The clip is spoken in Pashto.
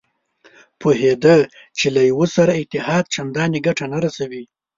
پوهېده چې له یوه سره اتحاد چندانې ګټه نه رسوي.